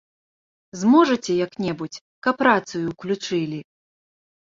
Зможаце як-небудзь, каб рацыю ўключылі?